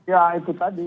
ya itu tadi